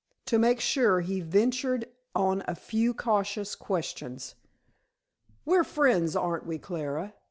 To make sure, he ventured on a few cautious questions. "We're friends, aren't we, Clara?"